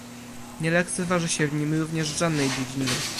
Nie lekceważy się w nim również żadnej dziedziny